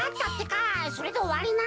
それでおわりなのか？